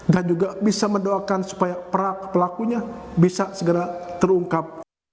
dan juga bisa mendoakan supaya pelakunya bisa segera terungkap